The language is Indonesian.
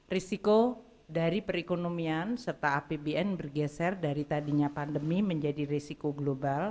risiko dari perekonomian serta apbn bergeser dari tadinya pandemi menjadi risiko global